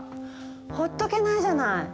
ほっとけないじゃない？